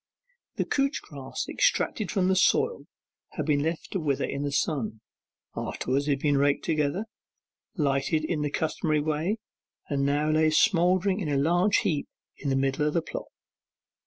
The couch grass extracted from the soil had been left to wither in the sun; afterwards it was raked together, lighted in the customary way, and now lay smouldering in a large heap in the middle of the plot.